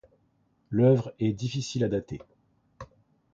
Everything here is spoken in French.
L'œuvre est difficile à dater.